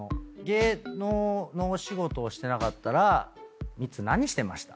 芸能のお仕事をしてなかったらミッツー何してました？